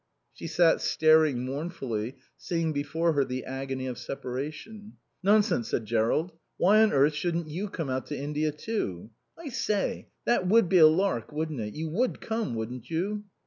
She sat staring mournfully, seeing before her the agony of separation. "Nonsense," said Jerrold. "Why on earth shouldn't you come out to India too? I say, that would be a lark, wouldn't it? You would come, wouldn't you?"